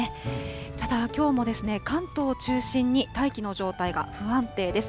ただ、きょうも関東を中心に、大気の状態が不安定です。